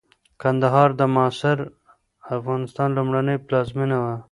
کندهار د معاصر افغانستان لومړنۍ پلازمېنه وه.